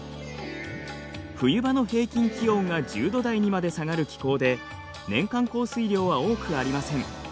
冬場の平均気温が１０度台にまで下がる気候で年間降水量は多くありません。